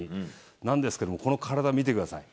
なんですけども、この体見てください。